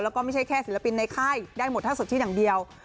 แล้วก็ไม่ใช่แค่ศิลปินในค่ายได้หมดถ้าสดชื่นอย่างเดียว